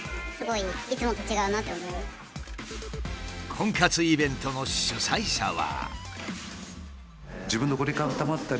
婚活イベントの主催者は。